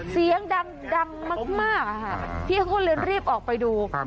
เสียงดังดังมากพี่เขาก็เรียนรีบออกไปดู